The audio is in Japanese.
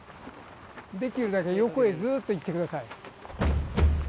できるだけ横へずっと行ってください。